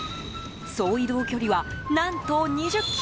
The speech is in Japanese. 総移動距離は何と２０ｋｍ。